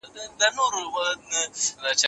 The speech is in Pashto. خو اغېز یې پراخ دی.